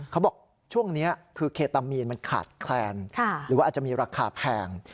เขาบอกช่วงนี้คือเคตามีนมันขาดแคลนหรือว่าอาจจะมีราคาแพง